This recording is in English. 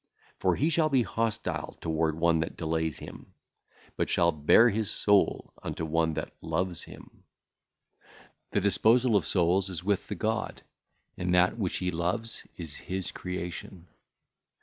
For he shall be hostile toward one that delayeth him, but shall bare his soul unto one that loveth him. The disposal of souls is with the God, and that which He loveth is His creation.